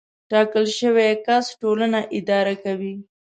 ټاکل شوی کس ټولنه اداره کوي.